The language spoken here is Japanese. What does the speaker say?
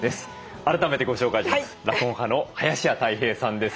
改めてご紹介します。